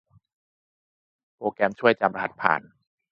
โปรแกรมช่วยจำรหัสผ่าน